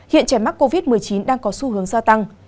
hiện trẻ mắc covid một mươi chín đang có xu hướng gia tăng